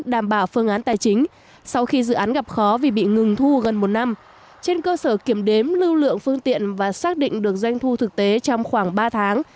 đảm bảo phương án tài chính sau khi dự án gặp khó vì bị ngừng thu gần một năm trên cơ sở kiểm đếm lưu lượng phương tiện và xác định được doanh thu thực tế trong khoảng ba tháng